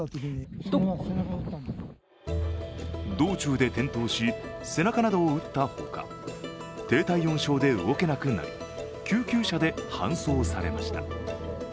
道中で転倒し、背中などを打ったほか、低体温症で動けなくなり救急車で搬送されました。